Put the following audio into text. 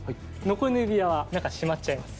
残りの指輪は中しまっちゃいます。